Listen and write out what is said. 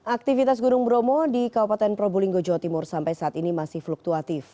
aktivitas gunung bromo di kabupaten probolinggo jawa timur sampai saat ini masih fluktuatif